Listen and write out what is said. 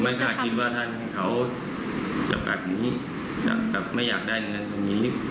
ค่าคิดว่าท่านเขาจะแบบนี้ไม่อยากได้เงินตรงนี้